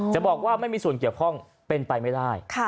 จะบอกว่าไม่มีส่วนเกี่ยวข้องเป็นไปไม่ได้